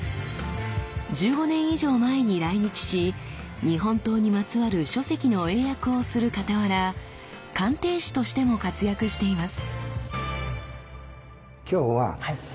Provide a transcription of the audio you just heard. １５年以上前に来日し日本刀にまつわる書籍の英訳をするかたわら鑑定士としても活躍しています。